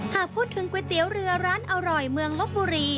หากพูดถึงก๋วยเตี๋ยวเรือร้านอร่อยเมืองลบบุรี